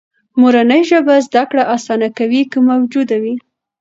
مورنۍ ژبه زده کړه آسانه کوي، که موجوده وي.